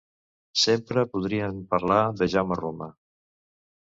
Sempre podrien parlar de Jaume Roma.